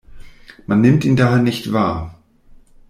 Man nimmt ihn daher nicht wahr.